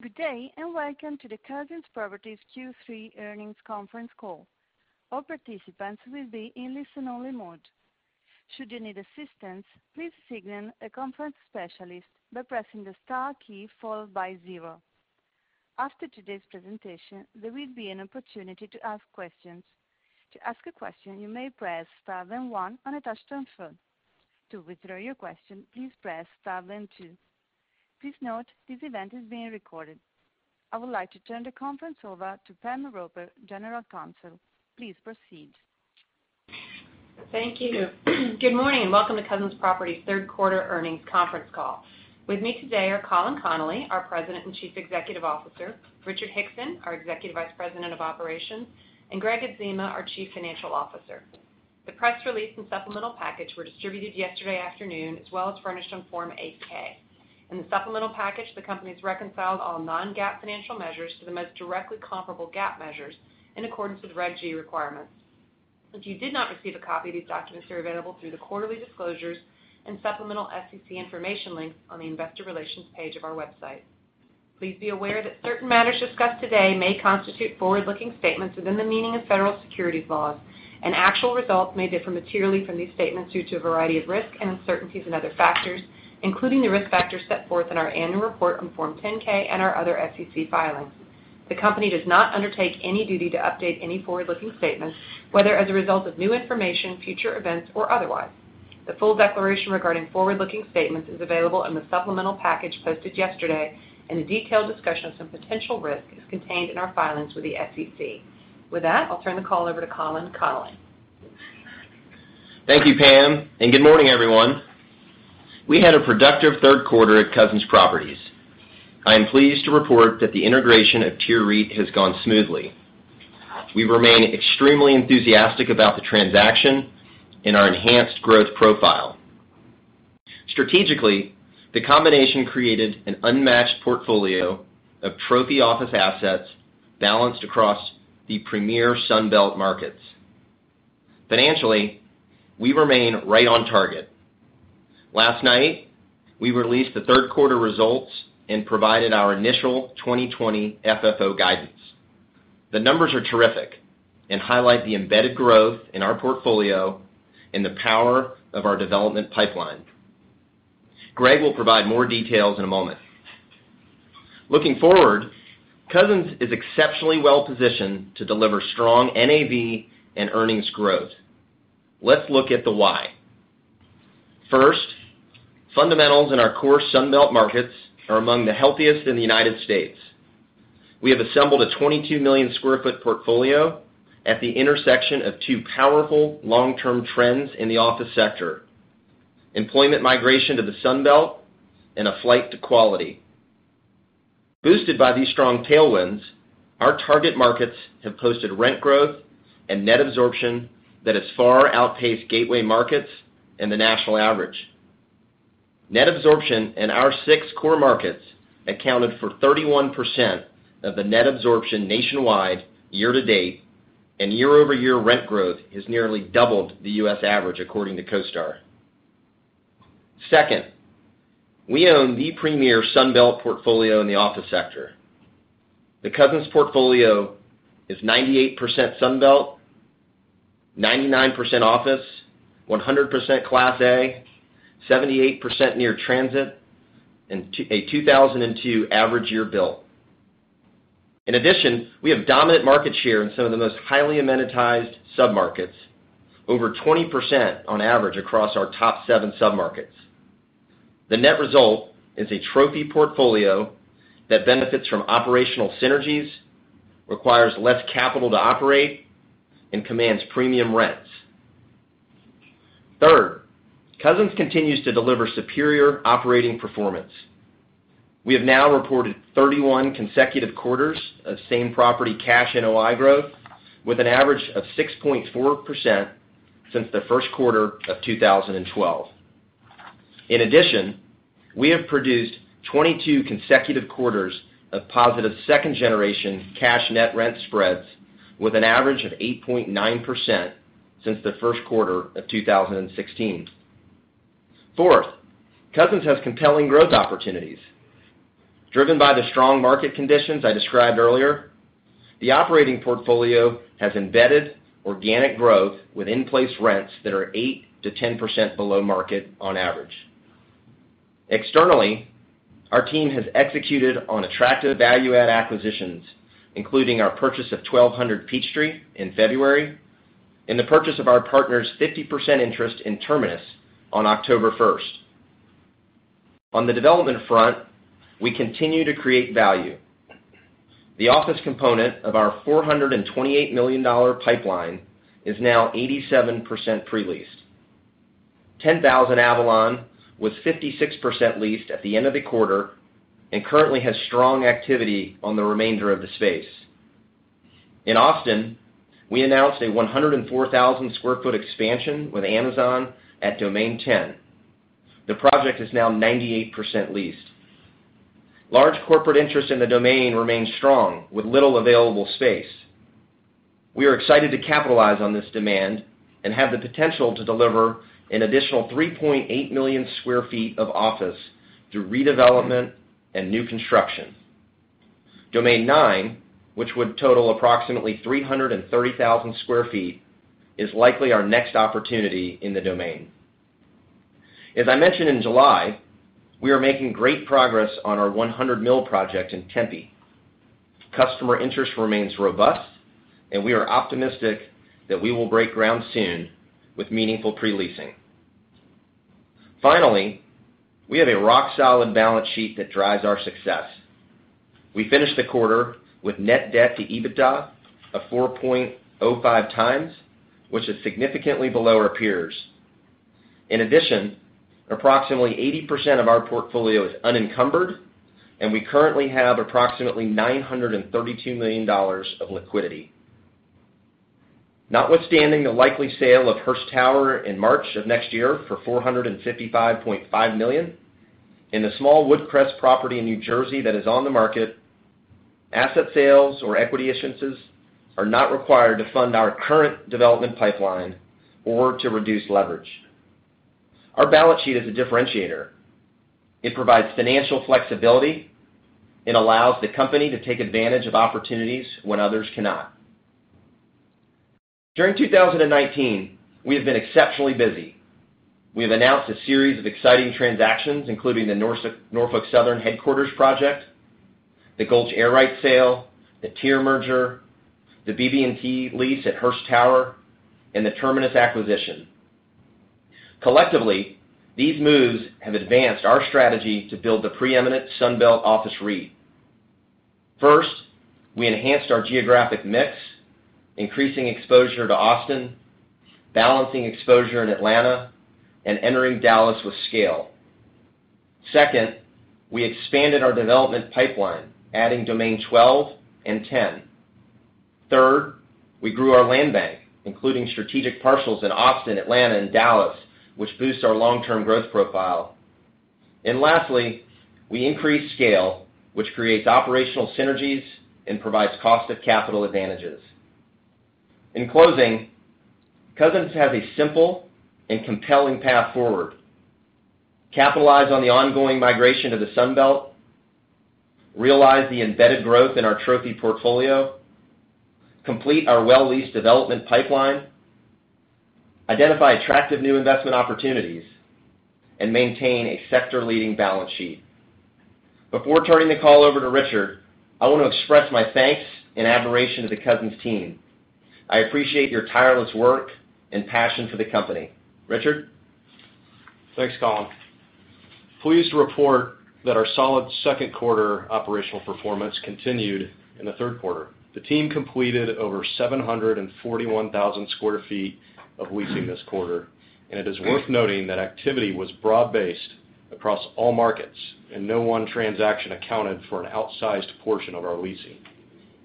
Good day, and welcome to the Cousins Properties Q3 Earnings Conference Call. All participants will be in listen-only mode. Should you need assistance, please signal a conference specialist by pressing the star key followed by zero. After today's presentation, there will be an opportunity to ask questions. To ask a question, you may press star then one on a touch-tone phone. To withdraw your question, please press star then two. Please note this event is being recorded. I would like to turn the conference over to Pamela Roper, General Counsel. Please proceed. Thank you. Good morning and welcome to Cousins Properties' third quarter earnings conference call. With me today are Colin Connolly, our President and Chief Executive Officer, Richard Hickson, our Executive Vice President of Operations, and Gregg Adzema, our Chief Financial Officer. The press release and supplemental package were distributed yesterday afternoon, as well as furnished on Form 8-K. In the supplemental package, the company's reconciled all non-GAAP financial measures to the most directly comparable GAAP measures in accordance with Regulation G requirements. If you did not receive a copy, these documents are available through the quarterly disclosures and supplemental SEC information link on the Investor Relations page of our website. Please be aware that certain matters discussed today may constitute forward-looking statements within the meaning of federal securities laws. Actual results may differ materially from these statements due to a variety of risks and uncertainties and other factors, including the risk factors set forth in our annual report on Form 10-K and our other SEC filings. The company does not undertake any duty to update any forward-looking statements, whether as a result of new information, future events, or otherwise. The full declaration regarding forward-looking statements is available in the supplemental package posted yesterday. A detailed discussion of some potential risks is contained in our filings with the SEC. With that, I'll turn the call over to Colin Connolly. Thank you, Pam. Good morning, everyone. We had a productive third quarter at Cousins Properties. I am pleased to report that the integration of TIER REIT has gone smoothly. We remain extremely enthusiastic about the transaction and our enhanced growth profile. Strategically, the combination created an unmatched portfolio of trophy office assets balanced across the premier Sun Belt markets. Financially, we remain right on target. Last night, we released the third quarter results and provided our initial 2020 FFO guidance. The numbers are terrific and highlight the embedded growth in our portfolio and the power of our development pipeline. Gregg will provide more details in a moment. Looking forward, Cousins is exceptionally well-positioned to deliver strong NAV and earnings growth. Let's look at the why. First, fundamentals in our core Sun Belt markets are among the healthiest in the U.S. We have assembled a 22 million square foot portfolio at the intersection of two powerful long-term trends in the office sector, employment migration to the Sun Belt, and a flight to quality. Boosted by these strong tailwinds, our target markets have posted rent growth and net absorption that has far outpaced gateway markets and the national average. Net absorption in our six core markets accounted for 31% of the net absorption nationwide year-to-date, and year-over-year rent growth has nearly doubled the U.S. average, according to CoStar. Second, we own the premier Sun Belt portfolio in the office sector. The Cousins portfolio is 98% Sun Belt, 99% office, 100% Class A, 78% near transit, and a 2002 average year built. In addition, we have dominant market share in some of the most highly amenitized submarkets, over 20% on average across our top 7 submarkets. The net result is a trophy portfolio that benefits from operational synergies, requires less capital to operate, and commands premium rents. Third, Cousins continues to deliver superior operating performance. We have now reported 31 consecutive quarters of same-property cash NOI growth with an average of 6.4% since the first quarter of 2012. In addition, we have produced 22 consecutive quarters of positive second-generation cash net rent spreads with an average of 8.9% since the first quarter of 2016. Fourth, Cousins has compelling growth opportunities. Driven by the strong market conditions I described earlier, the operating portfolio has embedded organic growth with in-place rents that are 8%-10% below market on average. Externally, our team has executed on attractive value-add acquisitions, including our purchase of 1200 Peachtree in February and the purchase of our partner's 50% interest in Terminus on October 1st. On the development front, we continue to create value. The office component of our $428 million pipeline is now 87% pre-leased. 10000 Avalon was 56% leased at the end of the quarter and currently has strong activity on the remainder of the space. In Austin, we announced a 104,000-square-foot expansion with Amazon at Domain 10. The project is now 98% leased. Large corporate interest in The Domain remains strong with little available space. We are excited to capitalize on this demand and have the potential to deliver an additional 3.8 million square feet of office through redevelopment and new construction. Domain 9, which would total approximately 330,000 square feet, is likely our next opportunity in The Domain. As I mentioned in July, we are making great progress on our 100 Mill project in Tempe. Customer interest remains robust, and we are optimistic that we will break ground soon with meaningful pre-leasing. Finally, we have a rock-solid balance sheet that drives our success. We finished the quarter with net debt to EBITDA of 4.05 times, which is significantly below our peers. In addition, approximately 80% of our portfolio is unencumbered, and we currently have approximately $932 million of liquidity. Notwithstanding the likely sale of Hearst Tower in March of next year for $455.5 million, in the small Woodcrest property in New Jersey that is on the market, asset sales or equity instances are not required to fund our current development pipeline or to reduce leverage. Our balance sheet is a differentiator. It provides financial flexibility and allows the company to take advantage of opportunities when others cannot. During 2019, we have been exceptionally busy. We have announced a series of exciting transactions, including the Norfolk Southern headquarters project, the Gulch Air Rights sale, the TIER merger, the BB&T lease at Hearst Tower, and the Terminus acquisition. Collectively, these moves have advanced our strategy to build the preeminent Sun Belt office REIT. First, we enhanced our geographic mix, increasing exposure to Austin, balancing exposure in Atlanta, and entering Dallas with scale. Second, we expanded our development pipeline, adding Domain 12 and 10. Third, we grew our land bank, including strategic parcels in Austin, Atlanta, and Dallas, which boosts our long-term growth profile. Lastly, we increased scale, which creates operational synergies and provides cost of capital advantages. In closing, Cousins has a simple and compelling path forward. Capitalize on the ongoing migration of the Sun Belt, realize the embedded growth in our trophy portfolio, complete our well-leased development pipeline, identify attractive new investment opportunities, and maintain a sector-leading balance sheet. Before turning the call over to Richard, I want to express my thanks and admiration to the Cousins team. I appreciate your tireless work and passion for the company. Richard? Thanks, Colin. Pleased to report that our solid second quarter operational performance continued in the third quarter. The team completed over 741,000 sq ft of leasing this quarter. It is worth noting that activity was broad-based across all markets. No one transaction accounted for an outsized portion of our leasing.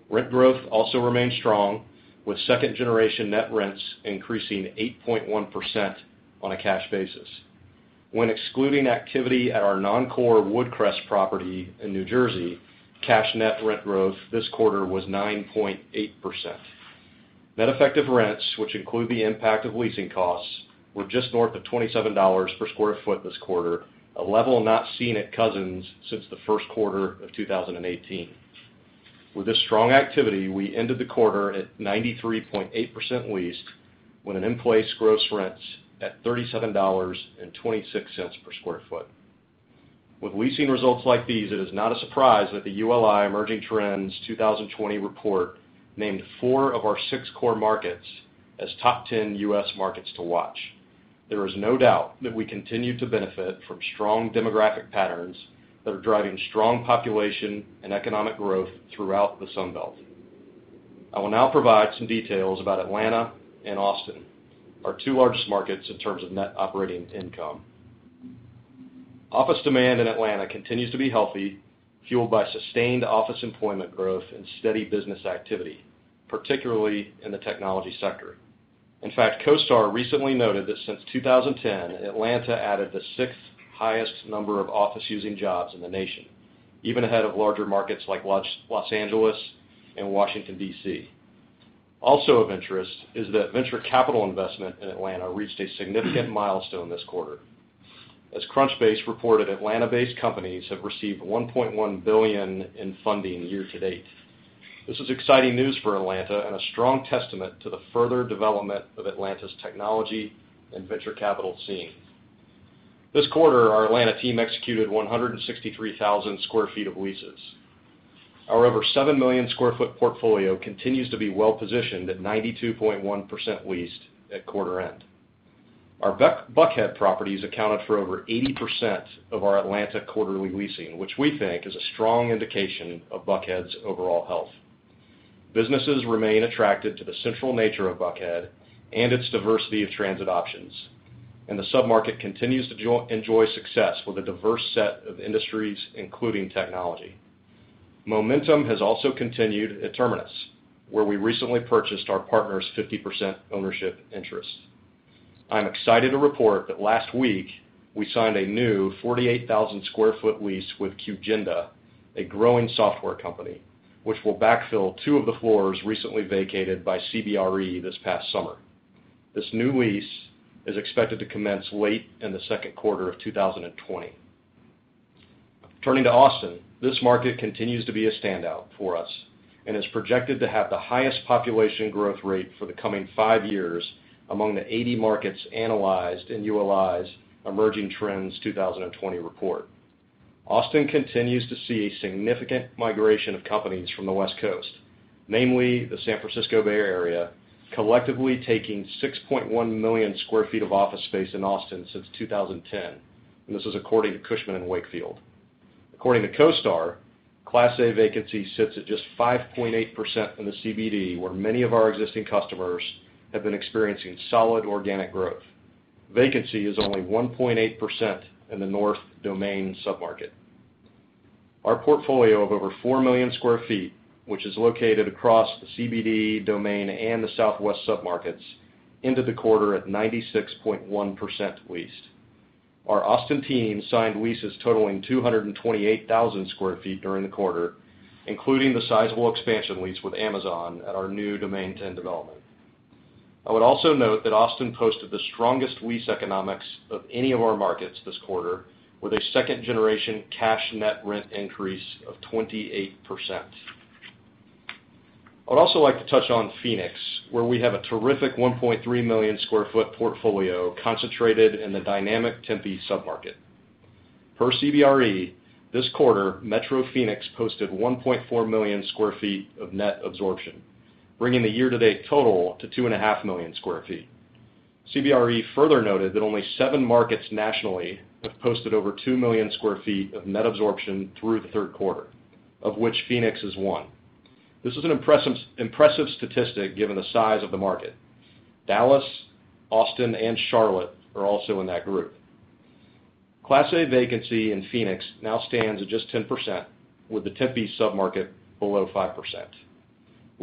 Rent growth also remained strong, with second-generation net rents increasing 8.1% on a cash basis. When excluding activity at our non-core Woodcrest property in New Jersey, cash net rent growth this quarter was 9.8%. Net effective rents, which include the impact of leasing costs, were just north of $27 per sq ft this quarter, a level not seen at Cousins since the first quarter of 2018. With this strong activity, we ended the quarter at 93.8% leased, with an in-place gross rents at $37.26 per sq ft. With leasing results like these, it is not a surprise that the ULI Emerging Trends in Real Estate 2020 report named four of our six core markets as top 10 U.S. markets to watch. There is no doubt that we continue to benefit from strong demographic patterns that are driving strong population and economic growth throughout the Sun Belt. I will now provide some details about Atlanta and Austin, our two largest markets in terms of net operating income. Office demand in Atlanta continues to be healthy, fueled by sustained office employment growth and steady business activity, particularly in the technology sector. In fact, CoStar Group recently noted that since 2010, Atlanta added the sixth highest number of office-using jobs in the nation, even ahead of larger markets like Los Angeles and Washington, D.C. Also of interest is that venture capital investment in Atlanta reached a significant milestone this quarter. As Crunchbase reported, Atlanta-based companies have received $1.1 billion in funding year to date. This is exciting news for Atlanta and a strong testament to the further development of Atlanta's technology and venture capital scene. This quarter, our Atlanta team executed 163,000 sq ft of leases. Our over 7 million sq ft portfolio continues to be well-positioned at 92.1% leased at quarter end. Our Buckhead properties accounted for over 80% of our Atlanta quarterly leasing, which we think is a strong indication of Buckhead's overall health. Businesses remain attracted to the central nature of Buckhead and its diversity of transit options. The sub-market continues to enjoy success with a diverse set of industries, including technology. Momentum has also continued at Terminus, where we recently purchased our partner's 50% ownership interest. I'm excited to report that last week, we signed a new 48,000 square foot lease with QGenda, a growing software company, which will backfill two of the floors recently vacated by CBRE this past summer. This new lease is expected to commence late in the second quarter of 2020. Turning to Austin, this market continues to be a standout for us and is projected to have the highest population growth rate for the coming five years among the 80 markets analyzed in ULI's Emerging Trends 2020 report. Austin continues to see significant migration of companies from the West Coast, namely the San Francisco Bay Area, collectively taking 6.1 million square feet of office space in Austin since 2010. This is according to Cushman & Wakefield. According to CoStar, Class A vacancy sits at just 5.8% in the CBD, where many of our existing customers have been experiencing solid organic growth. Vacancy is only 1.8% in the North Domain submarket. Our portfolio of over four million sq ft, which is located across the CBD Domain and the Southwest submarkets, ended the quarter at 96.1% leased. Our Austin team signed leases totaling 228,000 sq ft during the quarter, including the sizable expansion lease with Amazon at our new Domain 10 development. I would also note that Austin posted the strongest lease economics of any of our markets this quarter, with a second-generation cash net rent increase of 28%. I would also like to touch on Phoenix, where we have a terrific 1.3 million sq ft portfolio concentrated in the dynamic Tempe submarket. Per CBRE, this quarter, Metro Phoenix posted 1.4 million square feet of net absorption, bringing the year-to-date total to 2.5 million square feet. CBRE further noted that only seven markets nationally have posted over 2 million square feet of net absorption through the third quarter, of which Phoenix is one. This is an impressive statistic given the size of the market. Dallas, Austin, and Charlotte are also in that group. Class A vacancy in Phoenix now stands at just 10%, with the Tempe submarket below 5%.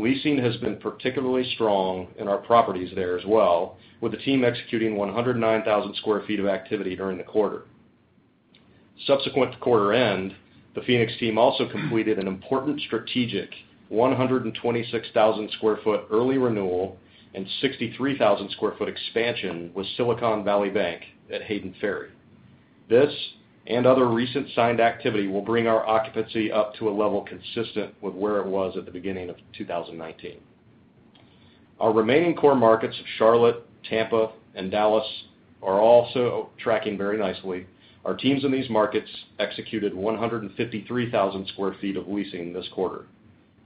Leasing has been particularly strong in our properties there as well, with the team executing 109,000 square feet of activity during the quarter. Subsequent to quarter end, the Phoenix team also completed an important strategic 126,000 square foot early renewal and 63,000 square foot expansion with Silicon Valley Bank at Hayden Ferry. This and other recent signed activity will bring our occupancy up to a level consistent with where it was at the beginning of 2019. Our remaining core markets, Charlotte, Tampa, and Dallas, are also tracking very nicely. Our teams in these markets executed 153,000 square feet of leasing this quarter.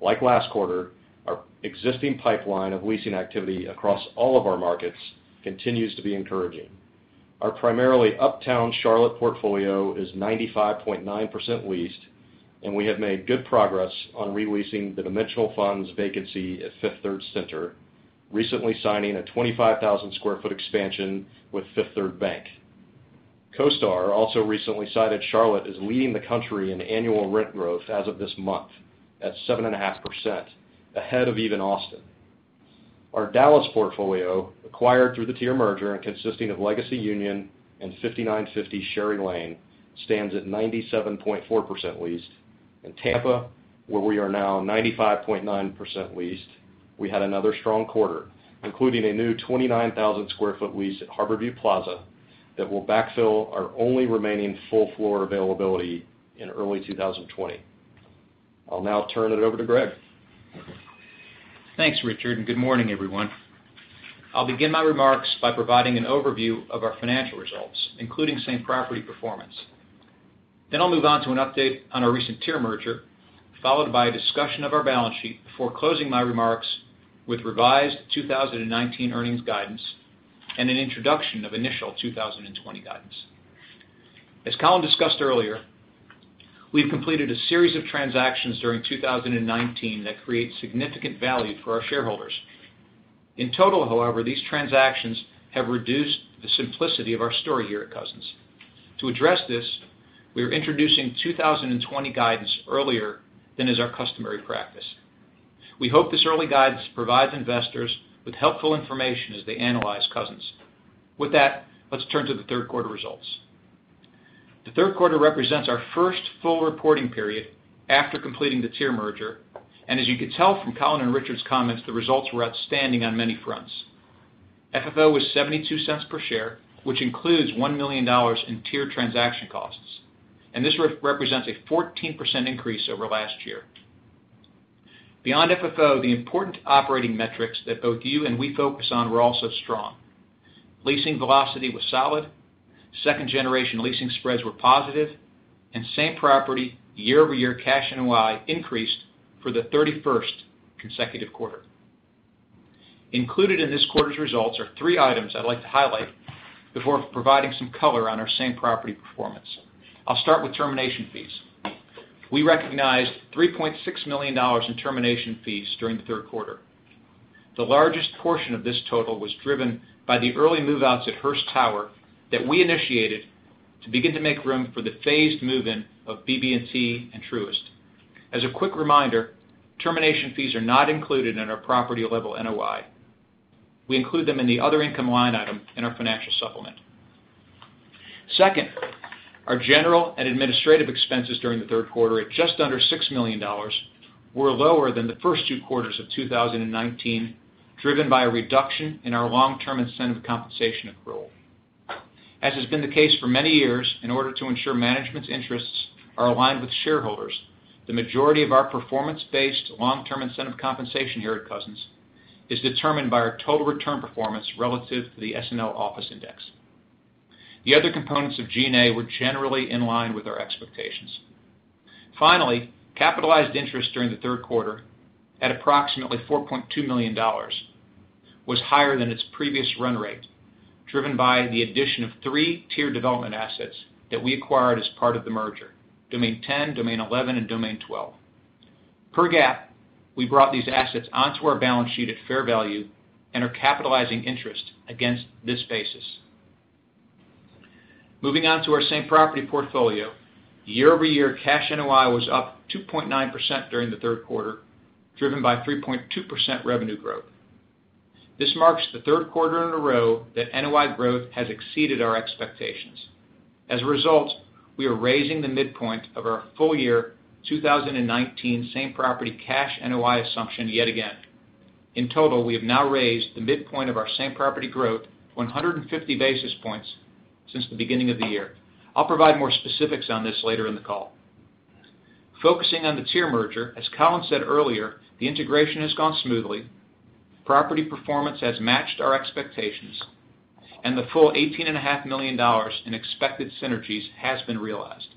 Like last quarter, our existing pipeline of leasing activity across all of our markets continues to be encouraging. Our primarily Uptown Charlotte portfolio is 95.9% leased, and we have made good progress on re-leasing the Dimensional Fund's vacancy at Fifth Third Center, recently signing a 25,000 square foot expansion with Fifth Third Bank. CoStar also recently cited Charlotte as leading the country in annual rent growth as of this month at 7.5%, ahead of even Austin. Our Dallas portfolio, acquired through the TIER merger and consisting of Legacy Union and 5950 Sherry Lane, stands at 97.4% leased. Tampa, where we are now 95.9% leased, we had another strong quarter, including a new 29,000 square foot lease at Harborview Plaza that will backfill our only remaining full floor availability in early 2020. I'll now turn it over to Gregg. Thanks, Richard. Good morning, everyone. I'll begin my remarks by providing an overview of our financial results, including same property performance. I'll move on to an update on our recent TIER merger, followed by a discussion of our balance sheet before closing my remarks with revised 2019 earnings guidance and an introduction of initial 2020 guidance. As Colin discussed earlier, we've completed a series of transactions during 2019 that create significant value for our shareholders. In total, however, these transactions have reduced the simplicity of our story here at Cousins. To address this, we are introducing 2020 guidance earlier than is our customary practice. We hope this early guidance provides investors with helpful information as they analyze Cousins. With that, let's turn to the third quarter results. The third quarter represents our first full reporting period after completing the TIER merger. As you could tell from Colin and Richard's comments, the results were outstanding on many fronts. FFO was $0.72 per share, which includes $1 million in TIER transaction costs. This represents a 14% increase over last year. Beyond FFO, the important operating metrics that both you and we focus on were also strong. Leasing velocity was solid. Second generation leasing spreads were positive. Same property year-over-year cash NOI increased for the 31st consecutive quarter. Included in this quarter's results are three items I'd like to highlight before providing some color on our same property performance. I'll start with termination fees. We recognized $3.6 million in termination fees during the third quarter. The largest portion of this total was driven by the early move-outs at Hearst Tower that we initiated to begin to make room for the phased move-in of BB&T and Truist. As a quick reminder, termination fees are not included in our property-level NOI. We include them in the other income line item in our financial supplement. Second, our general and administrative expenses during the third quarter at just under $6 million were lower than the first two quarters of 2019, driven by a reduction in our long-term incentive compensation accrual. As has been the case for many years, in order to ensure management's interests are aligned with shareholders, the majority of our performance-based long-term incentive compensation here at Cousins is determined by our total return performance relative to the SNL Office Index. The other components of G&A were generally in line with our expectations. Finally, capitalized interest during the third quarter, at approximately $4.2 million, was higher than its previous run rate, driven by the addition of 3 TIER development assets that we acquired as part of the merger, Domain 10, Domain 11, and Domain 12. Per GAAP, we brought these assets onto our balance sheet at fair value and are capitalizing interest against this basis. Moving on to our same-property portfolio. Year-over-year cash NOI was up 2.9% during the third quarter, driven by 3.2% revenue growth. This marks the third quarter in a row that NOI growth has exceeded our expectations. As a result, we are raising the midpoint of our full-year 2019 same-property cash NOI assumption yet again. In total, we have now raised the midpoint of our same-property growth 150 basis points since the beginning of the year. I'll provide more specifics on this later in the call. Focusing on the TIER merger, as Colin said earlier, the integration has gone smoothly, property performance has matched our expectations, and the full $18.5 million in expected synergies has been realized.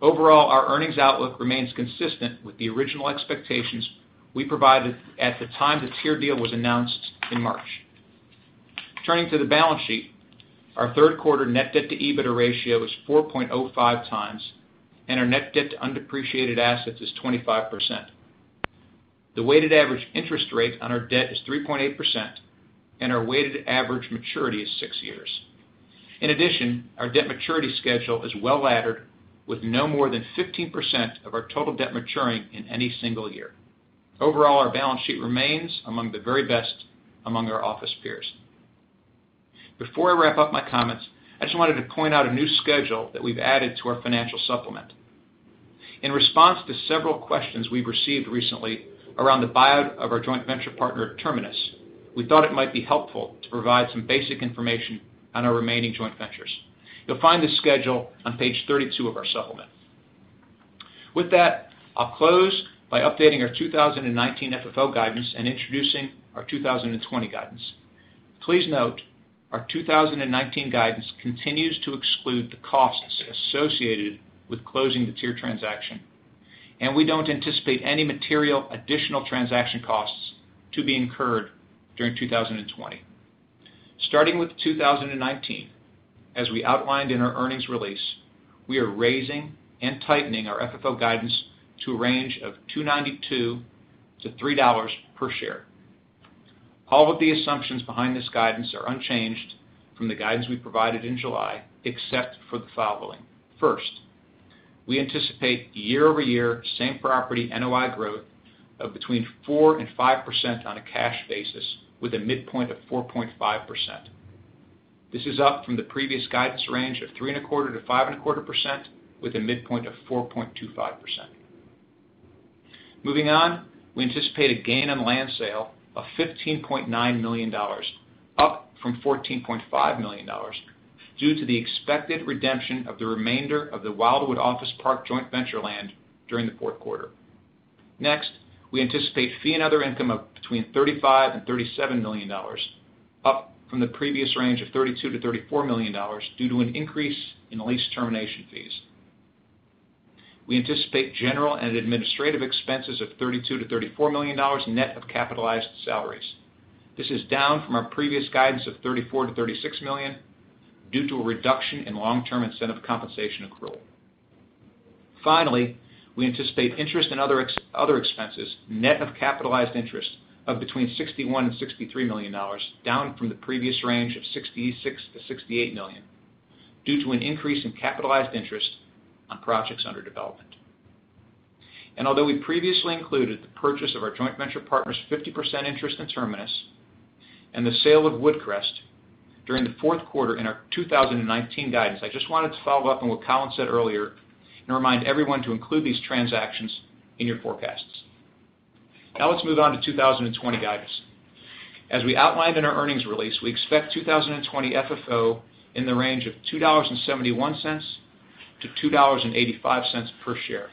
Overall, our earnings outlook remains consistent with the original expectations we provided at the time the TIER deal was announced in March. Turning to the balance sheet, our third quarter net debt to EBITDA ratio is 4.05 times, and our net debt to undepreciated assets is 25%. The weighted average interest rate on our debt is 3.8%, and our weighted average maturity is six years. In addition, our debt maturity schedule is well-laddered, with no more than 15% of our total debt maturing in any single year. Overall, our balance sheet remains among the very best among our office peers. Before I wrap up my comments, I just wanted to point out a new schedule that we've added to our financial supplement. In response to several questions we've received recently around the buy-out of our joint venture partner, TIER REIT, we thought it might be helpful to provide some basic information on our remaining joint ventures. You'll find this schedule on page 32 of our supplement. With that, I'll close by updating our 2019 FFO guidance and introducing our 2020 guidance. Please note, our 2019 guidance continues to exclude the costs associated with closing the TIER transaction, and we don't anticipate any material additional transaction costs to be incurred during 2020. Starting with 2019, as we outlined in our earnings release, we are raising and tightening our FFO guidance to a range of $2.92 to $3 per share. All of the assumptions behind this guidance are unchanged from the guidance we provided in July, except for the following. First, we anticipate year-over-year same-property NOI growth of between 4% and 5% on a cash basis, with a midpoint of 4.5%. This is up from the previous guidance range of 3.25%-5.25%, with a midpoint of 4.25%. Moving on, we anticipate a gain on land sale of $15.9 million, up from $14.5 million, due to the expected redemption of the remainder of the Wildwood Office Park joint venture land during the fourth quarter. Next, we anticipate fee and other income of between $35 million and $37 million, up from the previous range of $32 million to $34 million due to an increase in lease termination fees. We anticipate general and administrative expenses of $32 million to $34 million net of capitalized salaries. This is down from our previous guidance of $34 million-$36 million due to a reduction in long-term incentive compensation accrual. Finally, we anticipate interest in other expenses, net of capitalized interest, of between $61 million-$63 million, down from the previous range of $66 million-$68 million, due to an increase in capitalized interest on projects under development. Although we previously included the purchase of our joint venture partner's 50% interest in Terminus and the sale of Woodcrest during the fourth quarter in our 2019 guidance, I just wanted to follow up on what Colin said earlier and remind everyone to include these transactions in your forecasts. Now let's move on to 2020 guidance. As we outlined in our earnings release, we expect 2020 FFO in the range of $2.71-$2.85 per share.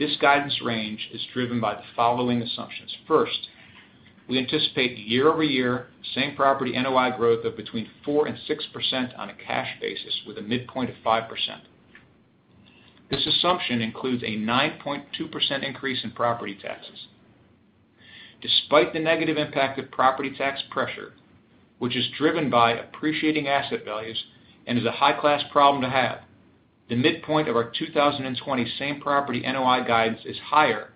This guidance range is driven by the following assumptions. First, we anticipate year-over-year same-property NOI growth of between 4% and 6% on a cash basis, with a midpoint of 5%. This assumption includes a 9.2% increase in property taxes. Despite the negative impact of property tax pressure, which is driven by appreciating asset values and is a high-class problem to have. The midpoint of our 2020 same-property NOI guidance is higher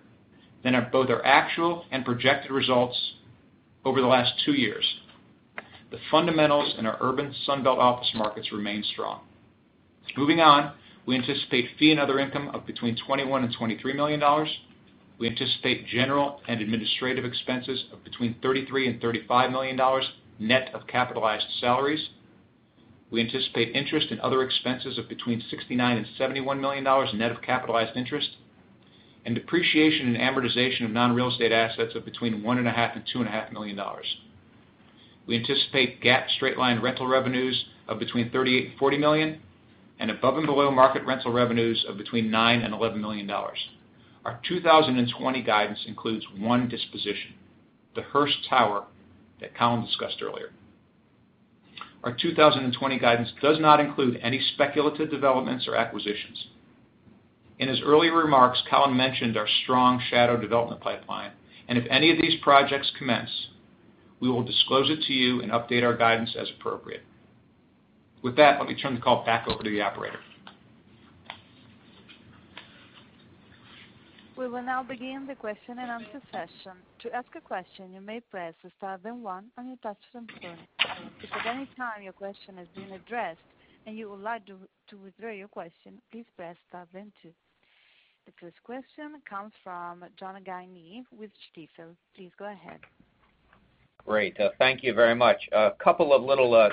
than both our actual and projected results over the last two years. The fundamentals in our urban Sunbelt office markets remain strong. We anticipate fee and other income of between $21 million and $23 million. We anticipate general and administrative expenses of between $33 million and $35 million, net of capitalized salaries. We anticipate interest and other expenses of between $69 million and $71 million, net of capitalized interest, and depreciation and amortization of non-real estate assets of between $1.5 million and $2.5 million. We anticipate GAAP straight-line rental revenues of between $38 million and $40 million, and above- and below-market rental revenues of between $9 million and $11 million. Our 2020 guidance includes one disposition, the Hearst Tower that Colin discussed earlier. Our 2020 guidance does not include any speculative developments or acquisitions. In his earlier remarks, Colin mentioned our strong shadow development pipeline, and if any of these projects commence, we will disclose it to you and update our guidance as appropriate. With that, let me turn the call back over to the operator. We will now begin the question-and-answer session. To ask a question, you may press star then one on your touch-tone phone. If at any time your question has been addressed, and you would like to withdraw your question, please press star then two. The first question comes from John Guinee with Stifel. Please go ahead. Great. Thank you very much. A couple of little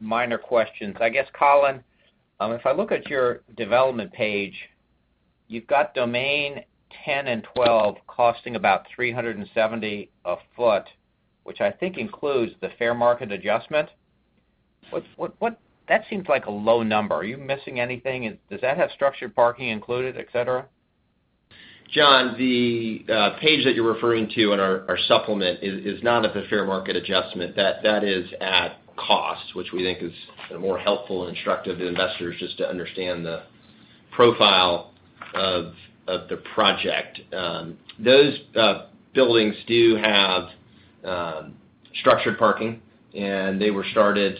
minor questions. I guess, Colin, if I look at your development page, you've got Domain 10 and 12 costing about $370 a foot, which I think includes the fair market adjustment. That seems like a low number. Are you missing anything? Does that have structured parking included, et cetera? John, the page that you're referring to in our supplement is not at the fair market adjustment. That is at cost, which we think is more helpful and instructive to investors just to understand the profile of the project. Those buildings do have structured parking, and they were started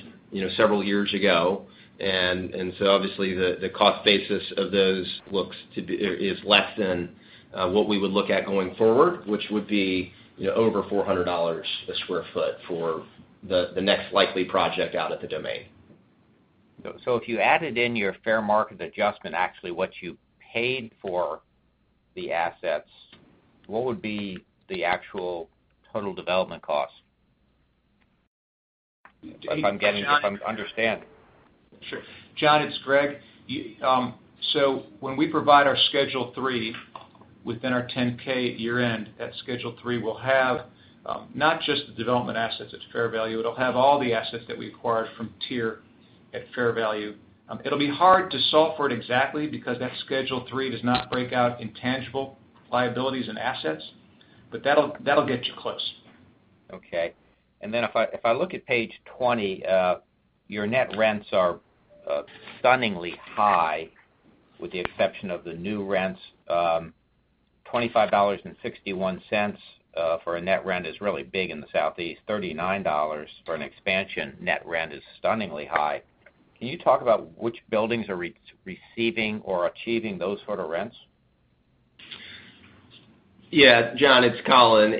several years ago. Obviously, the cost basis of those is less than what we would look at going forward, which would be over $400 a square foot for the next likely project out at The Domain. If you added in your fair market adjustment, actually what you paid for the assets, what would be the actual total development cost, if I'm understanding? Sure. John, it's Gregg. When we provide our Schedule III within our 10-K at year-end, that Schedule III will have not just the development assets at fair value, it'll have all the assets that we acquired from TIER at fair value. It'll be hard to solve for it exactly because that Schedule III does not break out intangible liabilities and assets, but that'll get you close. If I look at page 20, your net rents are stunningly high, with the exception of the new rents. $25.61 for a net rent is really big in the Southeast. $39 for an expansion net rent is stunningly high. Can you talk about which buildings are receiving or achieving those sort of rents? Yeah, John, it's Colin,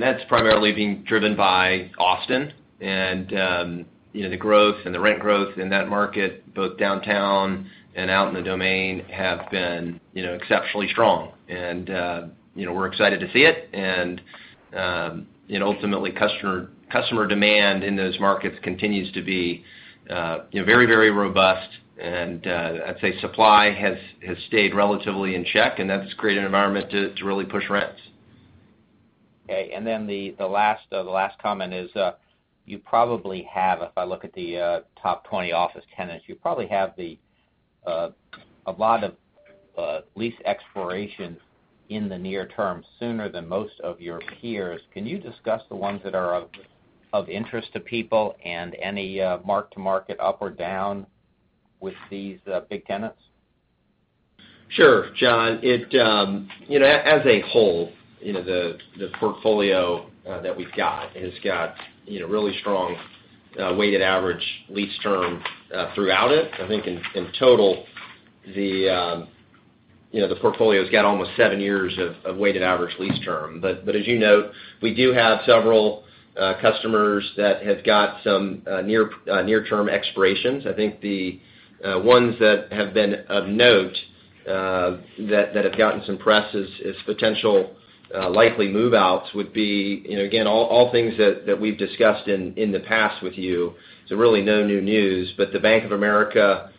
that's primarily being driven by Austin and the growth and the rent growth in that market, both downtown and out in The Domain, have been exceptionally strong. We're excited to see it, and ultimately, customer demand in those markets continues to be very robust. I'd say supply has stayed relatively in check, and that's created an environment to really push rents. Okay, the last comment is, if I look at the top 20 office tenants, you probably have a lot of lease expirations in the near term, sooner than most of your peers. Can you discuss the ones that are of interest to people and any mark-to-market up or down with these big tenants? Sure, John. As a whole, the portfolio that we've got has got really strong weighted average lease term throughout it. I think in total, the portfolio's got almost seven years of weighted average lease term. As you note, we do have several customers that have got some near-term expirations. I think the ones that have been of note that have gotten some press as potential likely move-outs would be, again, all things that we've discussed in the past with you, so really no new news. The Bank of America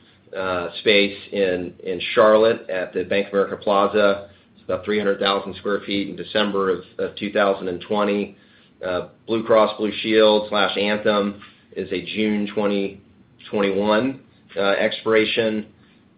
space in Charlotte at the Bank of America Plaza, it's about 300,000 square feet in December of 2020. Blue Cross Blue Shield/Anthem is a June 2021 expiration.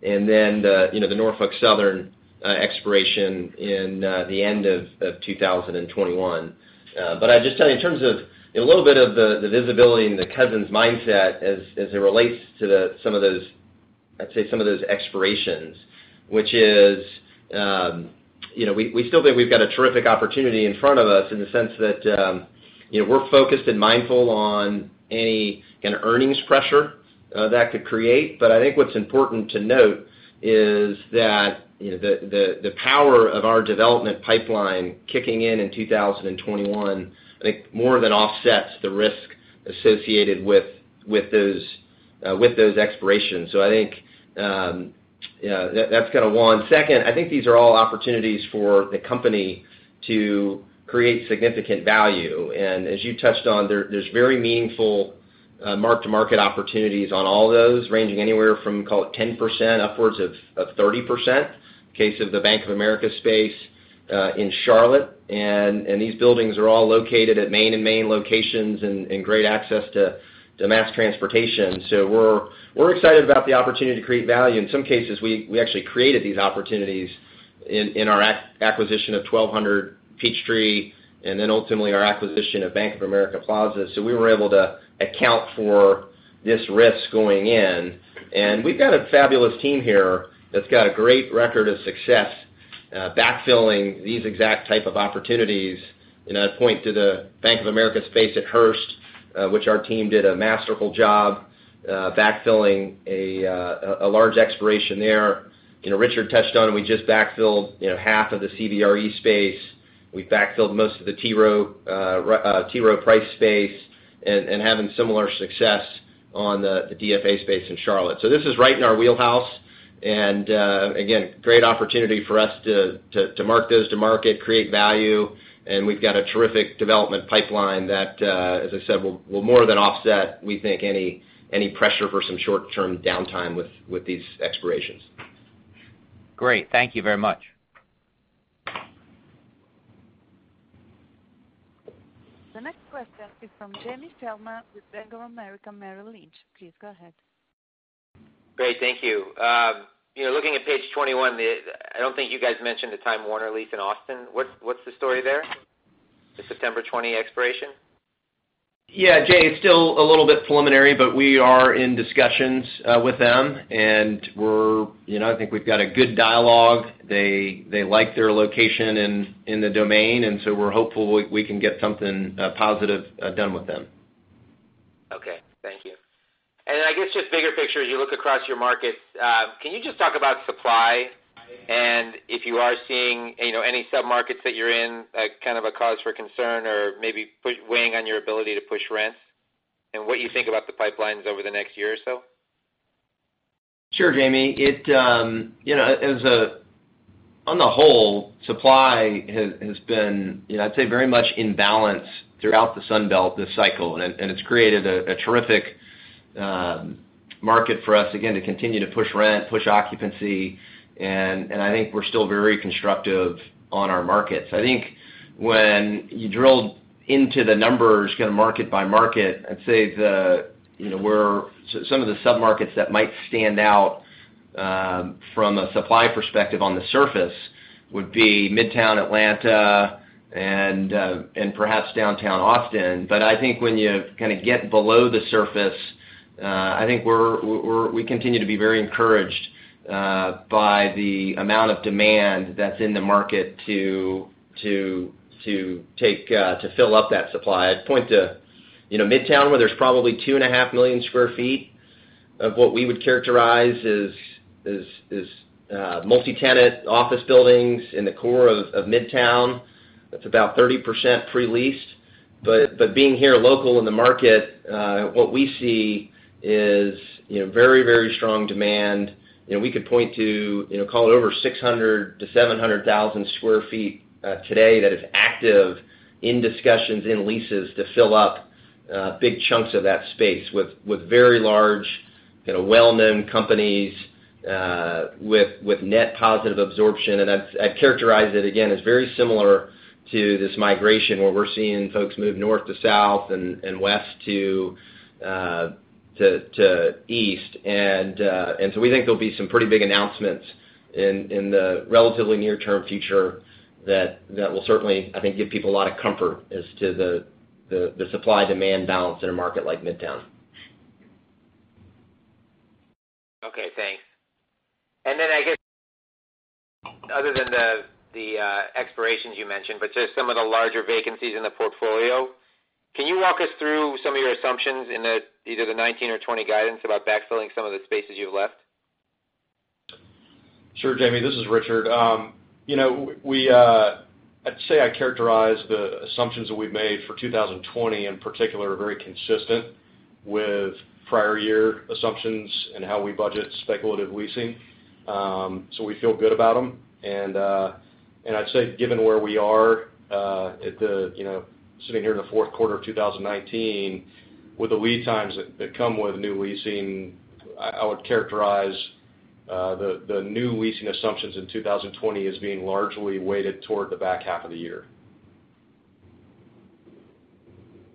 The Norfolk Southern expiration in the end of 2021. I'd just tell you in terms of a little bit of the visibility and the Cousins mindset as it relates to some of those expirations, which is. We still think we've got a terrific opportunity in front of us in the sense that we're focused and mindful on any kind of earnings pressure that could create. I think what's important to note is that the power of our development pipeline kicking in in 2021, I think, more than offsets the risk associated with those expirations. I think that's kind of one. Second, I think these are all opportunities for the company to create significant value. As you touched on, there's very meaningful mark-to-market opportunities on all those, ranging anywhere from, call it, 10% upwards of 30%, case of the Bank of America space in Charlotte. These buildings are all located at main-and-main locations and great access to mass transportation. We're excited about the opportunity to create value. In some cases, we actually created these opportunities in our acquisition of 1200 Peachtree, and then ultimately our acquisition of Bank of America Plaza. We were able to account for this risk going in. We've got a fabulous team here that's got a great record of success backfilling these exact type of opportunities. I'd point to the Bank of America space at Hearst, which our team did a masterful job backfilling a large expiration there. Richard touched on, we just backfilled half of the CBRE space. We backfilled most of the T. Rowe Price space and having similar success on the DFA space in Charlotte. This is right in our wheelhouse. Again, great opportunity for us to mark those to market, create value, and we've got a terrific development pipeline that, as I said, will more than offset, we think, any pressure for some short-term downtime with these expirations. Great. Thank you very much. The next question is from Jamie Feldman with Bank of America Merrill Lynch. Please go ahead. Great. Thank you. Looking at page 21, I don't think you guys mentioned the Time Warner lease in Austin. What's the story there? The September 20 expiration? Yeah, Jamie, it's still a little bit preliminary, but we are in discussions with them, and I think we've got a good dialogue. They like their location in The Domain, and so we're hopeful we can get something positive done with them. Okay. Thank you. I guess, just bigger picture as you look across your markets, can you just talk about supply and if you are seeing any sub-markets that you're in, kind of a cause for concern or maybe weighing on your ability to push rents and what you think about the pipelines over the next year or so? Sure, Jamie. On the whole, supply has been, I'd say, very much in balance throughout the Sun Belt this cycle, and it's created a terrific market for us, again, to continue to push rent, push occupancy, and I think we're still very constructive on our markets. I think when you drill into the numbers kind of market by market, I'd say some of the sub-markets that might stand out from a supply perspective on the surface would be Midtown Atlanta and perhaps downtown Austin. I think when you kind of get below the surface, I think we continue to be very encouraged by the amount of demand that's in the market to fill up that supply. I'd point to Midtown, where there's probably 2.5 million sq ft of what we would characterize as multi-tenant office buildings in the core of Midtown. That's about 30% pre-leased. Being here local in the market, what we see is very strong demand. We could point to, call it, over 600,000-700,000 sq ft today that is active in discussions in leases to fill up big chunks of that space with very large, well-known companies, with net positive absorption. I'd characterize it, again, as very similar to this migration where we're seeing folks move north to south and west to east. We think there'll be some pretty big announcements in the relatively near-term future that will certainly, I think, give people a lot of comfort as to the supply-demand balance in a market like Midtown. Okay, thanks. I guess, other than the expirations you mentioned, but just some of the larger vacancies in the portfolio, can you walk us through some of your assumptions in either the 2019 or 2020 guidance about backfilling some of the spaces you have left? Sure, Jamie, this is Richard. I'd say I characterize the assumptions that we've made for 2020, in particular, are very consistent with prior year assumptions and how we budget speculative leasing. We feel good about them. I'd say, given where we are, sitting here in the fourth quarter of 2019, with the lead times that come with new leasing, I would characterize the new leasing assumptions in 2020 as being largely weighted toward the back half of the year.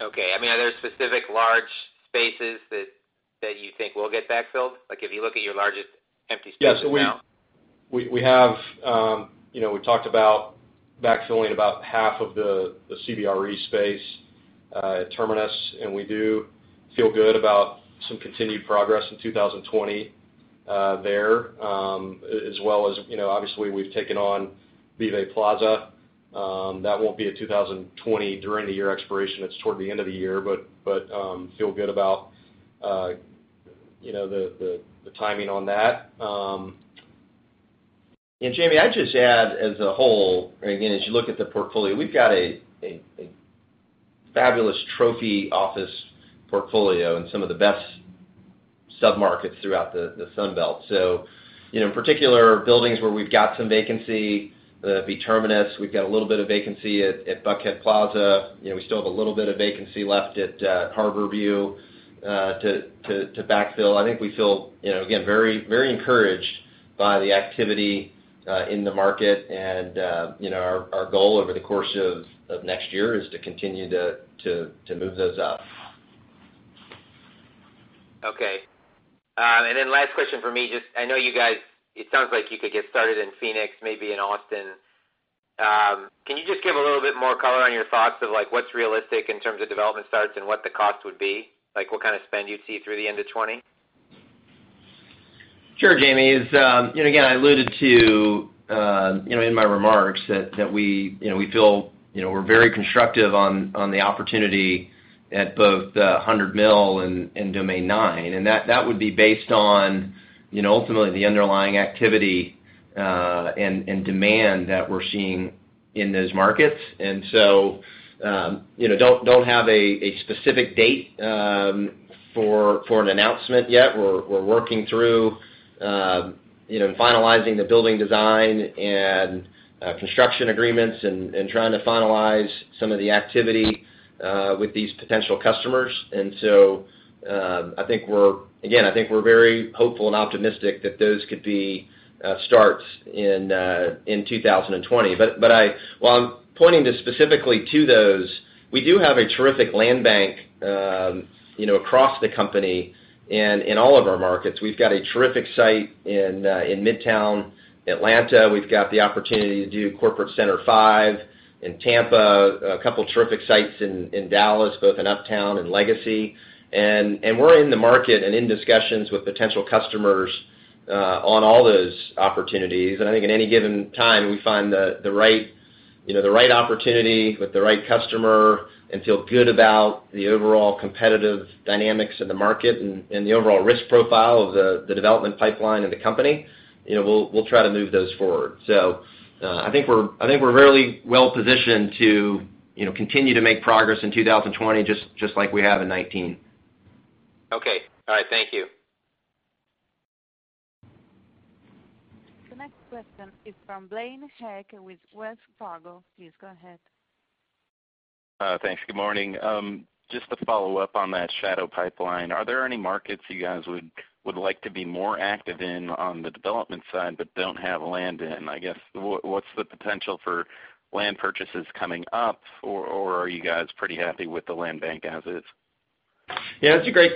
Okay. Are there specific large spaces that you think will get backfilled? Like, if you look at your largest empty space right now. We talked about backfilling about half of the CBRE space at Terminus. We do feel good about some continued progress in 2020 there, as well as, obviously, we've taken on [Vive Plaza]. That won't be a 2020 during-the-year expiration. It's toward the end of the year. Feel good about the timing on that. Jamie, I'd just add as a whole, again, as you look at the portfolio, we've got a fabulous trophy office portfolio in some of the best sub-markets throughout the Sun Belt. In particular, buildings where we've got some vacancy, be it Terminus, we've got a little bit of vacancy at Buckhead Plaza. We still have a little bit of vacancy left at Harborview Plaza to backfill. I think we feel, again, very encouraged by the activity in the market, and our goal over the course of next year is to continue to move those up. Okay. Last question from me, just I know you guys, it sounds like you could get started in Phoenix, maybe in Austin. Can you just give a little bit more color on your thoughts of what's realistic in terms of development starts and what the cost would be? What kind of spend you'd see through the end of 2020? Sure, Jamie. I alluded to, in my remarks, that we feel we're very constructive on the opportunity at both the 100 Mill and Domain 9. That would be based on, ultimately, the underlying activity and demand that we're seeing in those markets. Don't have a specific date for an announcement yet. We're working through finalizing the building design and construction agreements and trying to finalize some of the activity with these potential customers. I think we're very hopeful and optimistic that those could be starts in 2020. While I'm pointing specifically to those, we do have a terrific land bank across the company and in all of our markets. We've got a terrific site in Midtown Atlanta. We've got the opportunity to do Corporate Center 5 in Tampa, a couple terrific sites in Dallas, both in Uptown and Legacy. We're in the market and in discussions with potential customers on all those opportunities. I think in any given time, we find the right opportunity with the right customer and feel good about the overall competitive dynamics of the market and the overall risk profile of the development pipeline of the company. We'll try to move those forward. I think we're really well-positioned to continue to make progress in 2020, just like we have in 2019. Okay. All right. Thank you. The next question is from Blaine Heck with Wells Fargo. Please go ahead. Thanks. Good morning. Just to follow up on that shadow pipeline, are there any markets you guys would like to be more active in on the development side but don't have land in? I guess, what's the potential for land purchases coming up, or are you guys pretty happy with the land bank as is? Yeah, that's a great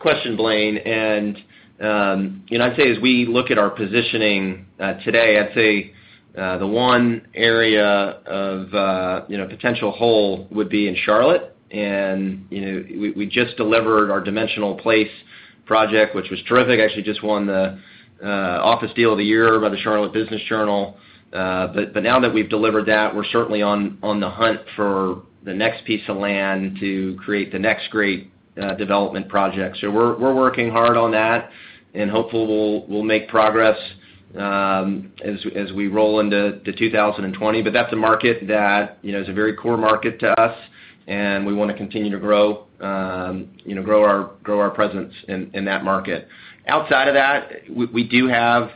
question, Blaine Heck. I'd say as we look at our positioning today, I'd say the one area of potential hole would be in Charlotte. We just delivered our Dimensional Place project, which was terrific. Actually just won the office deal of the year by the Charlotte Business Journal. Now that we've delivered that, we're certainly on the hunt for the next piece of land to create the next great development project. We're working hard on that, and hopefully, we'll make progress as we roll into 2020. That's a market that is a very core market to us, and we want to continue to grow our presence in that market. Outside of that, we do have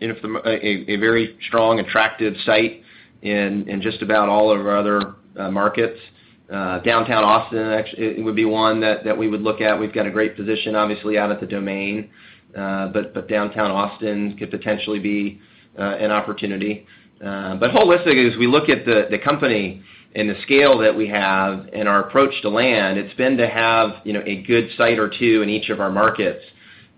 a very strong, attractive site in just about all of our other markets. Downtown Austin, actually, it would be one that we would look at. We've got a great position, obviously, out at The Domain. Downtown Austin could potentially be an opportunity. Holistic, as we look at the company and the scale that we have and our approach to land, it's been to have a good site or two in each of our markets.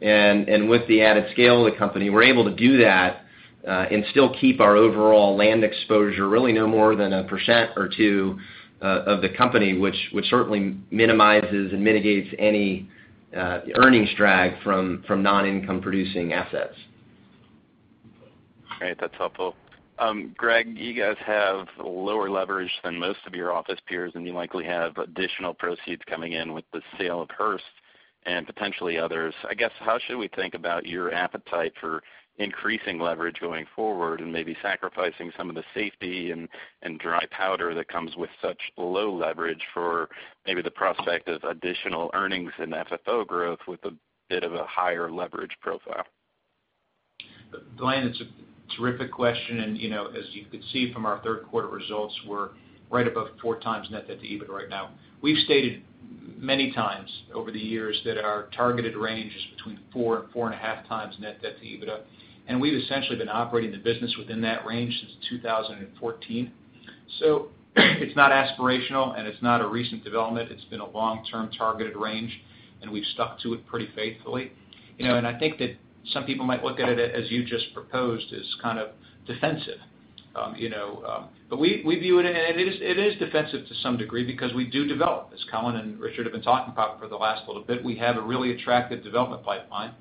With the added scale of the company, we're able to do that, and still keep our overall land exposure really no more than a 1% or 2% of the company, which certainly minimizes and mitigates any earnings drag from non-income producing assets. Great. That's helpful. Gregg, you guys have lower leverage than most of your office peers, and you likely have additional proceeds coming in with the sale of Hearst and potentially others. I guess, how should we think about your appetite for increasing leverage going forward and maybe sacrificing some of the safety and dry powder that comes with such low leverage for maybe the prospect of additional earnings and FFO growth with a bit of a higher leverage profile? Blaine, that's a terrific question. As you could see from our third quarter results, we're right above 4 times net debt to EBITDA right now. We've stated many times over the years that our targeted range is between 4 and 4.5 times net debt to EBITDA. We've essentially been operating the business within that range since 2014. It's not aspirational. It's not a recent development. It's been a long-term targeted range. We've stuck to it pretty faithfully. I think that some people might look at it, as you just proposed, as kind of defensive. We view it, and it is defensive to some degree because we do develop, as Colin and Richard have been talking about for the last little bit. We have a really attractive development pipeline,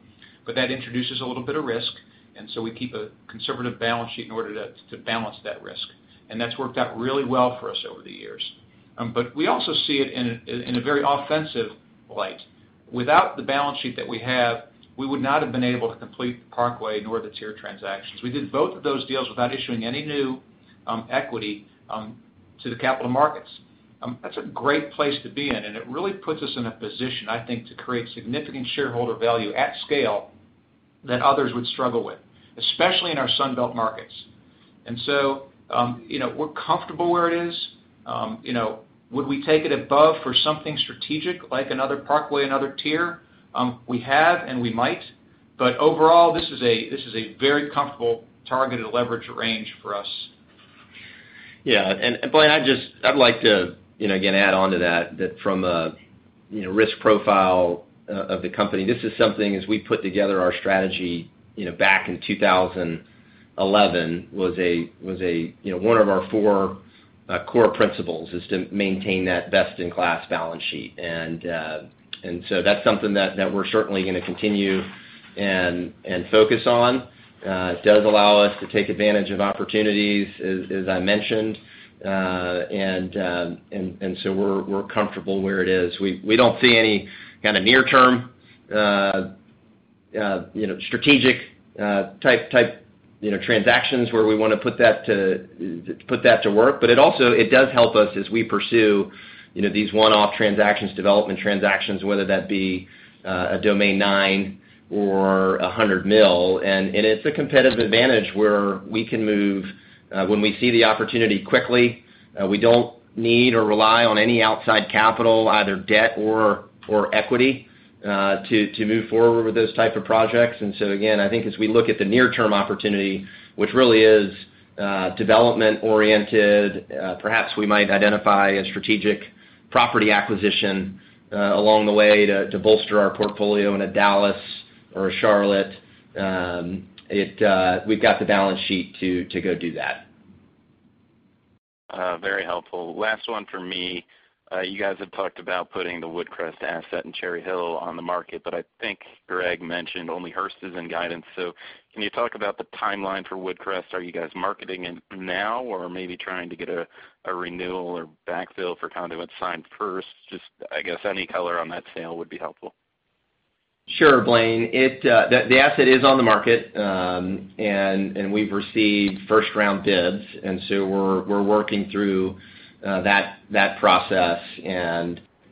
but that introduces a little bit of risk, and so we keep a conservative balance sheet in order to balance that risk. That's worked out really well for us over the years. We also see it in a very offensive light. Without the balance sheet that we have, we would not have been able to complete the Parkway nor the Tier transactions. We did both of those deals without issuing any new equity to the capital markets. That's a great place to be in, and it really puts us in a position, I think, to create significant shareholder value at scale that others would struggle with, especially in our Sun Belt markets. We're comfortable where it is. Would we take it above for something strategic, like another Parkway, another Tier? We have, and we might, but overall, this is a very comfortable targeted leverage range for us. Yeah. Blaine, I'd like to, again, add onto that from a risk profile of the company, this is something, as we put together our strategy back in 2011, was one of our four core principles, is to maintain that best-in-class balance sheet. That's something that we're certainly going to continue and focus on. It does allow us to take advantage of opportunities, as I mentioned. We're comfortable where it is. We don't see any kind of near-term strategic-type transactions where we want to put that to work. It also does help us as we pursue these one-off transactions, development transactions, whether that be a Domain Nine or 100 Mill, and it's a competitive advantage where we can move, when we see the opportunity, quickly. We don't need or rely on any outside capital, either debt or equity, to move forward with those type of projects. Again, I think as we look at the near-term opportunity, which really is development-oriented, perhaps we might identify a strategic property acquisition along the way to bolster our portfolio in a Dallas or a Charlotte. We've got the balance sheet to go do that. Very helpful. Last one from me. You guys have talked about putting the Woodcrest asset in Cherry Hill on the market, but I think Gregg mentioned only Hearst is in guidance. Can you talk about the timeline for Woodcrest? Are you guys marketing it now or maybe trying to get a renewal or backfill for tenants who had signed first? Just, I guess, any color on that sale would be helpful. Sure, Blaine. The asset is on the market. We've received first-round bids. We're working through that process.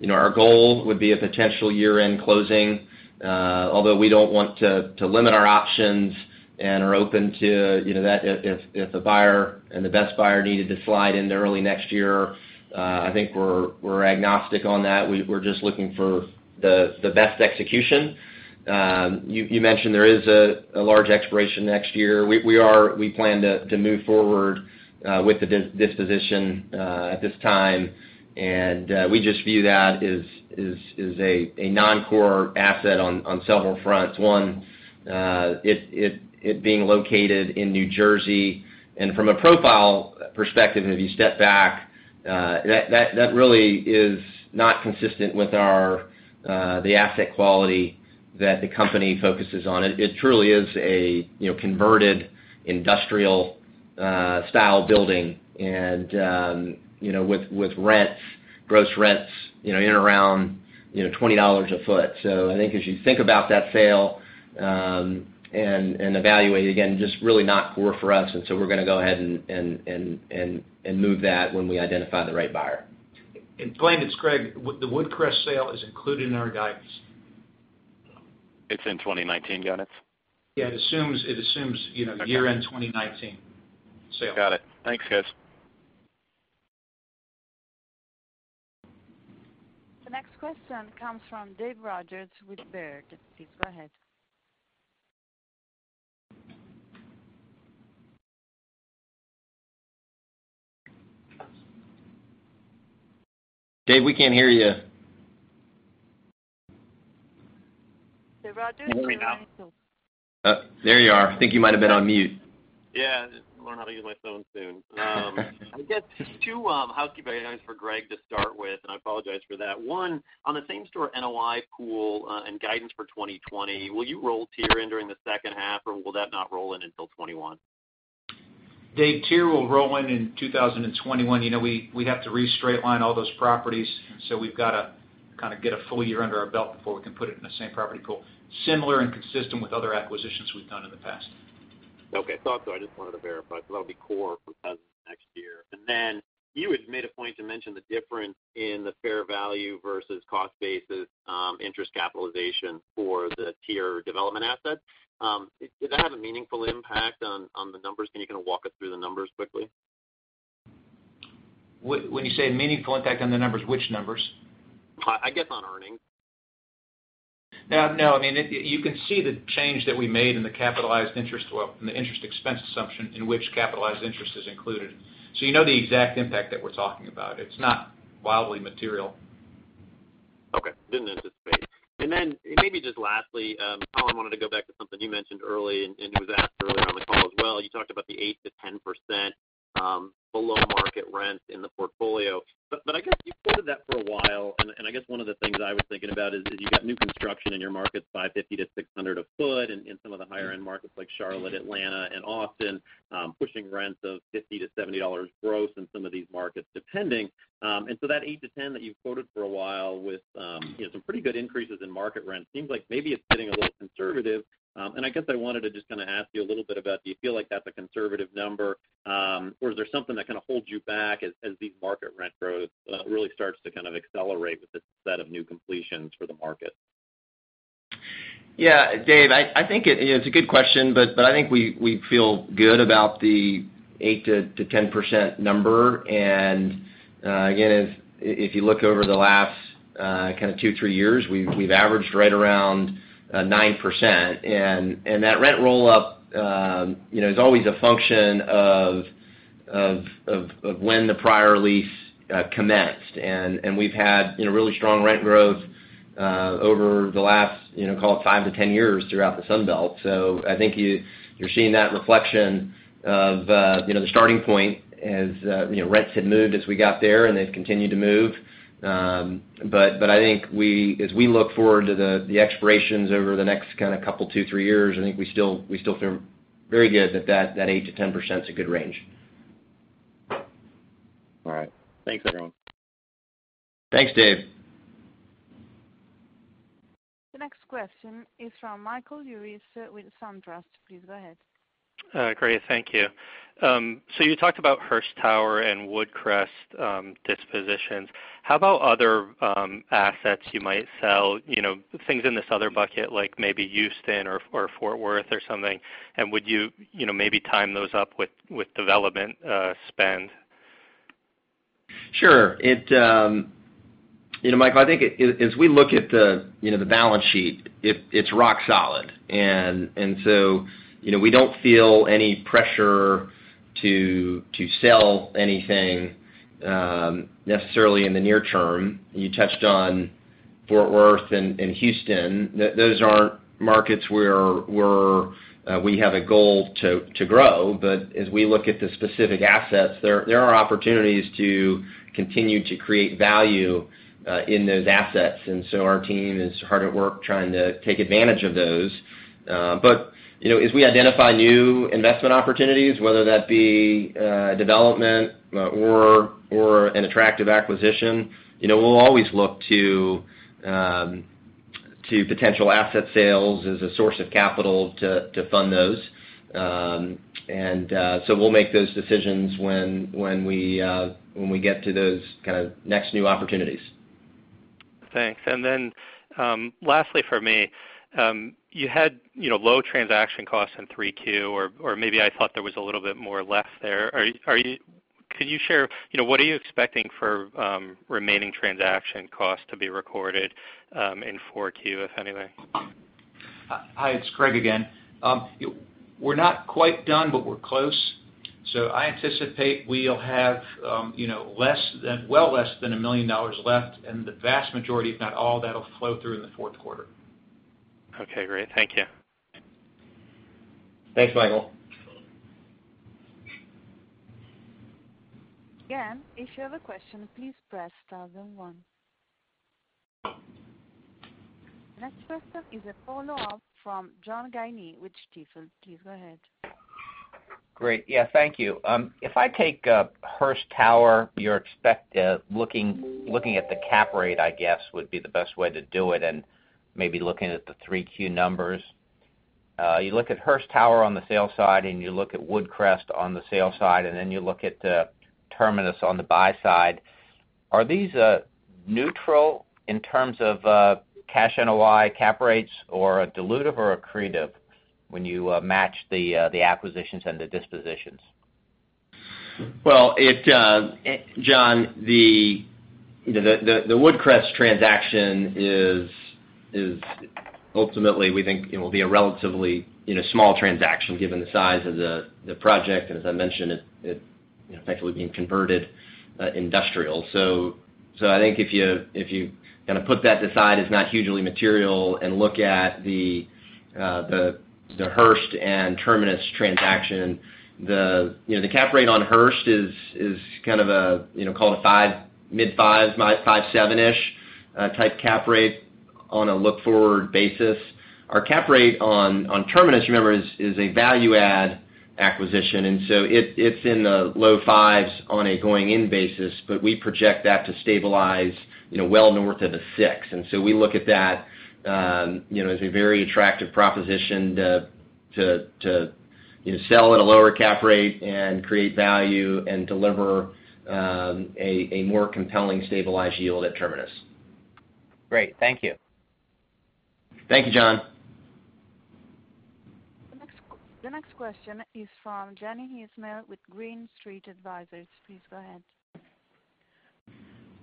Our goal would be a potential year-end closing, although we don't want to limit our options and are open to if the buyer and the best buyer needed to slide into early next year, I think we're agnostic on that. We're just looking for the best execution. You mentioned there is a large expiration next year. We plan to move forward with the disposition at this time. We just view that as a non-core asset on several fronts. One, it being located in New Jersey. From a profile perspective, if you step back, that really is not consistent with the asset quality that the company focuses on. It truly is a converted industrial-style building. With gross rents in around $20 a foot. I think as you think about that sale and evaluate, again, just really not core for us, and so we're going to go ahead and move that when we identify the right buyer. Blaine, it's Gregg. The Woodcrest sale is included in our guidance. It's in 2019 guidance? Yeah, it assumes. Okay year-end 2019 sale. Got it. Thanks, guys. The next question comes from Dave Rodgers with Baird. Please go ahead. Dave, we can't hear you. Dave Rodgers- Can you hear me now? There you are. I think you might've been on mute. Yeah, I'll learn how to use my phone soon. I guess two housekeeping items for Gregg to start with, and I apologize for that. One, on the same store NOI pool and guidance for 2020, will you roll TIER in during the second half, or will that not roll in until 2021? Dave, TIER will roll in 2021. We'd have to re-straight-line all those properties, we've got to kind of get a full year under our belt before we can put it in the same property pool. Similar and consistent with other acquisitions we've done in the past. Okay. Thought so. I just wanted to verify because that'll be core for the next year. Then you had made a point to mention the difference in the fair value versus cost basis interest capitalization for the TIER development asset. Does that have a meaningful impact on the numbers? Can you kind of walk us through the numbers quickly? When you say meaningful impact on the numbers, which numbers? I guess on earnings. No. I mean, you can see the change that we made in the capitalized interest, well, in the interest expense assumption, in which capitalized interest is included. You know the exact impact that we're talking about. It's not wildly material. Didn't anticipate. Maybe just lastly, Colin, wanted to go back to something you mentioned early and it was asked earlier on the call as well. You talked about the 8%-10% below market rent in the portfolio. I guess you've quoted that for a while, and I guess one of the things I was thinking about is you got new construction in your markets by $550-$600 a foot in some of the higher-end markets like Charlotte, Atlanta, and Austin, pushing rents of $50-$70 gross in some of these markets, depending. That 8%-10% that you've quoted for a while with some pretty good increases in market rent, seems like maybe it's getting a little conservative. I guess I wanted to just kind of ask you a little bit about, do you feel like that's a conservative number, or is there something that kind of holds you back as these market rent growth really starts to kind of accelerate with this set of new completions for the market? Yeah, Dave, I think it's a good question. I think we feel good about the 8%-10% number. Again, if you look over the last kind of two, three years, we've averaged right around 9%. That rent roll-up is always a function of when the prior lease commenced. We've had really strong rent growth, over the last call it five to 10 years throughout the Sun Belt. I think you're seeing that reflection of the starting point as rents had moved as we got there, and they've continued to move. I think as we look forward to the expirations over the next kind of couple two, three years, I think we still feel very good that 8%-10% is a good range. All right. Thanks, everyone. Thanks, Dave. The next question is from Michael Lewis with SunTrust. Please go ahead. Great. Thank you. You talked about Hearst Tower and Woodcrest dispositions. How about other assets you might sell, things in this other bucket, like maybe Houston or Fort Worth or something? Would you maybe time those up with development spend? Sure. Michael, I think as we look at the balance sheet, it's rock solid. So we don't feel any pressure to sell anything necessarily in the near term. You touched on Fort Worth and Houston. Those aren't markets where we have a goal to grow. As we look at the specific assets, there are opportunities to continue to create value in those assets. So our team is hard at work trying to take advantage of those. As we identify new investment opportunities, whether that be development or an attractive acquisition, we'll always look to potential asset sales as a source of capital to fund those. So we'll make those decisions when we get to those kind of next new opportunities. Thanks. Lastly for me, you had low transaction costs in Q3, or maybe I thought there was a little bit more or less there. Could you share, what are you expecting for remaining transaction costs to be recorded in Q4, if anywhere? Hi, it's Gregg again. We're not quite done, but we're close. I anticipate we'll have well less than $1 million left, and the vast majority, if not all, of that'll flow through in the fourth quarter. Okay, great. Thank you. Thanks, Michael. Again, if you have a question, please press star zero one. Next question is a follow-up from John Guinee with Stifel. Please go ahead. Great. Yeah, thank you. If I take Hearst Tower, you're looking at the cap rate, I guess, would be the best way to do it, and maybe looking at the Q3 numbers. You look at Hearst Tower on the sale side, and you look at Woodcrest on the sale side, and then you look at Terminus on the buy side. Are these neutral in terms of cash NOI cap rates, or dilutive or accretive when you match the acquisitions and the dispositions? Well, John, the Woodcrest transaction is ultimately, we think it will be a relatively small transaction given the size of the project. As I mentioned, it effectively being converted industrial. I think if you kind of put that aside as not hugely material and look at the Hearst and Terminus transaction, the cap rate on Hearst is kind of, call it a five, mid five seven-ish type cap rate on a look-forward basis. Our cap rate on Terminus, remember, is a value-add acquisition, and so it's in the low fives on a going-in basis, but we project that to stabilize well north of the six. We look at that as a very attractive proposition to sell at a lower cap rate and create value and deliver a more compelling stabilized yield at Terminus. Great. Thank you. Thank you, John. The next question is from Daniel Ismail with Green Street Advisors. Please go ahead.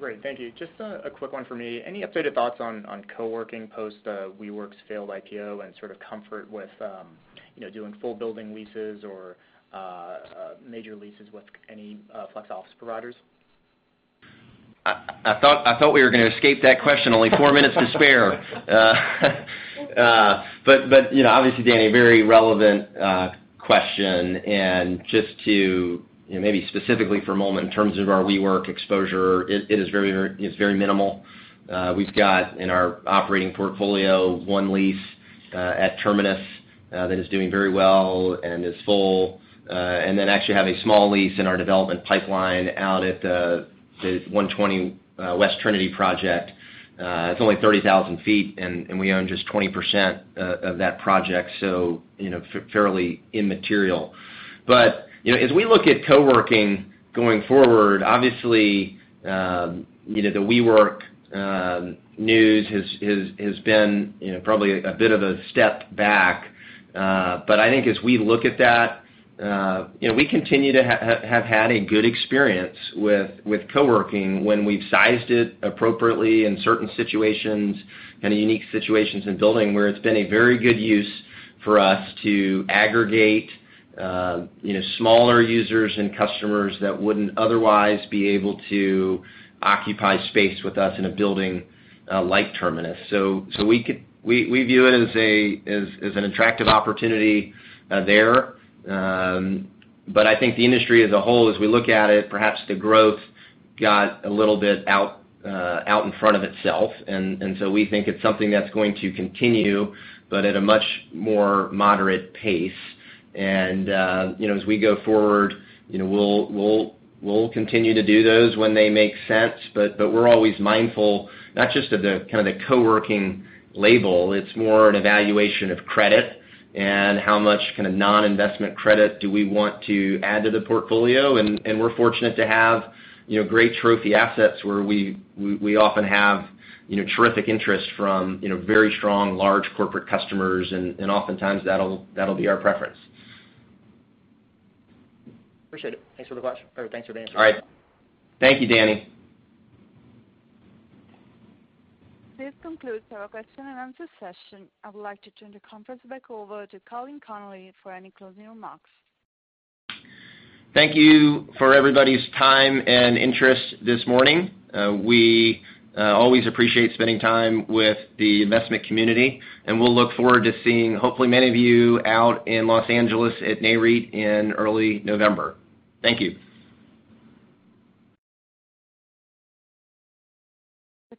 Great. Thank you. Just a quick one for me. Any updated thoughts on co-working post WeWork's failed IPO and sort of comfort with doing full building leases or major leases with any flex office providers? I thought we were going to escape that question, only four minutes to spare. Obviously, Daniel, a very relevant question. Just to, maybe specifically for a moment, in terms of our WeWork exposure, it is very minimal. We've got, in our operating portfolio, one lease at Terminus that is doing very well and is full. Then actually have a small lease in our development pipeline out at the 120 West Trinity project. It's only 30,000 feet, and we own just 20% of that project, so fairly immaterial. As we look at co-working going forward, obviously, the WeWork news has been probably a bit of a step back. I think as we look at that, we continue to have had a good experience with co-working when we've sized it appropriately in certain situations, kind of unique situations in building where it's been a very good use for us to aggregate smaller users and customers that wouldn't otherwise be able to occupy space with us in a building like Terminus. We view it as an attractive opportunity there. I think the industry as a whole, as we look at it, perhaps the growth got a little bit out in front of itself. We think it's something that's going to continue, but at a much more moderate pace. As we go forward, we'll continue to do those when they make sense, but we're always mindful, not just of the kind of the co-working label, it's more an evaluation of credit and how much kind of non-investment credit do we want to add to the portfolio. We're fortunate to have great trophy assets where we often have terrific interest from very strong large corporate customers, and oftentimes that'll be our preference. Appreciate it. Thanks for the question, or thanks for the answer. All right. Thank you, Dani. This concludes our question and answer session. I would like to turn the conference back over to Colin Connolly for any closing remarks. Thank you for everybody's time and interest this morning. We always appreciate spending time with the investment community, and we'll look forward to seeing, hopefully, many of you out in Los Angeles at Nareit in early November. Thank you.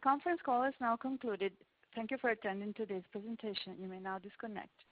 The conference call has now concluded. Thank you for attending today's presentation. You may now disconnect.